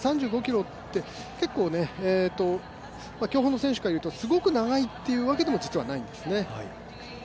３５ｋｍは結構、競歩の選手からいうとすごく長いというわけでもないんですね。